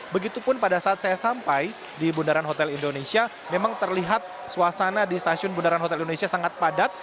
begitupun pada saat saya sampai di bundaran hotel indonesia memang terlihat suasana di stasiun bundaran hotel indonesia sangat padat